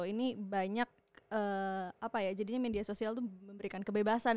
ini banyak apa ya jadinya media sosial itu memberikan kebebasan